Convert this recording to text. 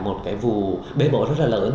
một cái vụ bế bối rất là lớn